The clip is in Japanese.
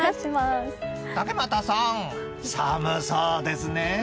竹俣さん、寒そうですね。